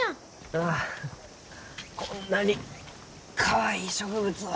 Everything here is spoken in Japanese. ああこんなにかわいい植物を。